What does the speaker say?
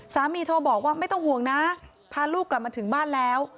โทรบอกว่าไม่ต้องห่วงนะพาลูกกลับมาถึงบ้านแล้ว